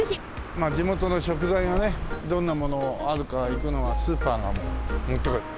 まあ地元の食材がねどんなものあるか行くのはスーパーがもってこい。